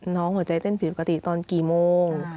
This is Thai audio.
หัวใจเต้นผิดปกติตอนกี่โมง